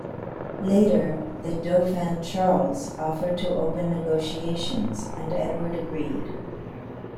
Later, the Dauphin Charles offered to open negotiations, and Edward agreed.